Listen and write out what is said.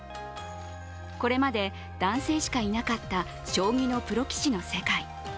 これまで男性しかいなかった将棋のプロ棋士の世界。